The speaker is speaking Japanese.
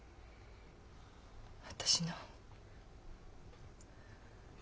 私の。